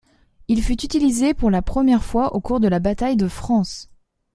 Il fut utilisé pour la première fois au cours de la bataille de France.